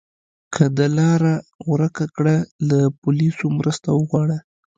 که د لاره ورکه کړه، له پولیسو مرسته وغواړه.